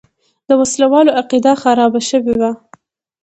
د وسله والو عقیده خرابه شوې وه.